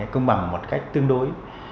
công bằng một cách tương đối